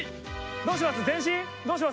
どうします？